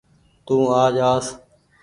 تو آج آس